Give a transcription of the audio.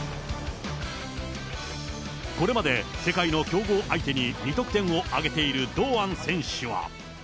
これまで世界の強豪相手に２得点を挙げている堂安選手は。